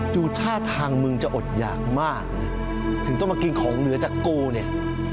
ดูท่าทางมึงจะอดหยากมากนะถึงต้องมากินของเหนือจากกูเนี่ย